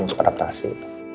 masih mau adaptasi